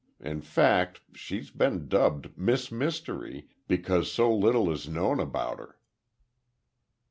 In fact, she's been dubbed Miss Mystery, because so little is known about her."